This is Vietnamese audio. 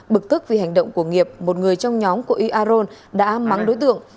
bực tức vì hành động của nghiệp một người trong nhóm của i aron đã mắng đối tượng